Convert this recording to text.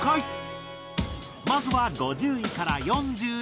まずは５０位から４１位。